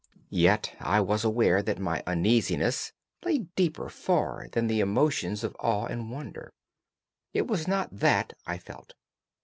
Yet I was aware that my uneasiness lay deeper far than the emotions of awe and wonder. It was not that I felt.